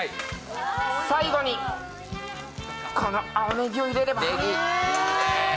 最後にこの青ねぎを入れれば。